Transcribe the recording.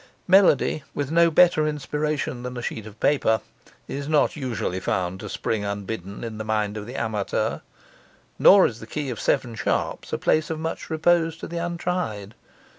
Melody, with no better inspiration than a sheet of paper, is not usually found to spring unbidden in the mind of the amateur; nor is the key of seven sharps a place of much repose to the untried.